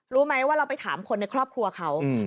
รู้ไหมว่าเราไปถามคนในครอบครัวเขา